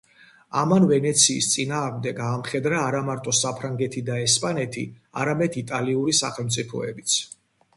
ამან ვენეციის წინააღმდეგ აამხედრა არამარტო საფრანგეთი და ესპანეთი, არამედ იტალიური სახელმწიფოებიც.